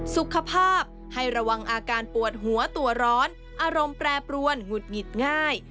สุขภาพให้ระวังอาการปวดหัวตัวร้อนอารมณ์แปรปรวนหงุดหงิดง่าย